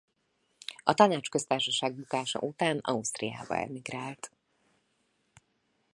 A Tanácsköztársaság bukása után Ausztriába emigrált.